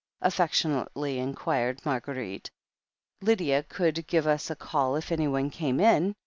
affectionately inquired Marguerite. "Lydia could give us a call if anyone came in.